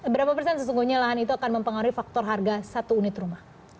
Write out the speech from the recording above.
berapa persen sesungguhnya lahan itu akan mempengaruhi faktor harga satu unit rumah